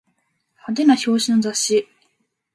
派手な表紙の雑誌